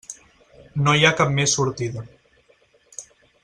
No hi ha cap més sortida.